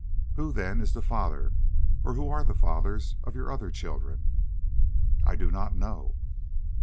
"Who, then, is the father or who are the fathers, of your other children?" "I do not know."